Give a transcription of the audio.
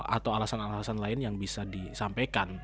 atau alasan alasan lain yang bisa disampaikan